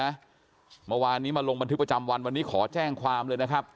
เมื่อวานนี้มาลงบันทึกประจำวันวันนี้ขอแจ้งความเลยนะครับ